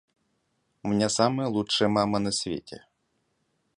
У меня самая лучшая мама на свете.